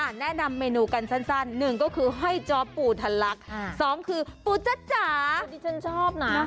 แนะนำเมนูกันสั้น๑ไฮจอร์ปูทันลักษณ์๒ปูจ๊ะจ๋า